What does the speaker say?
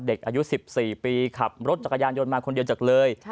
เด็กอายุ๑๔ปีขับรถจักรยานยนต์มาคนเดียวจากเลย